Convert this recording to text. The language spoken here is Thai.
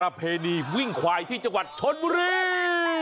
เพณีวิ่งควายที่จังหวัดชนบุรี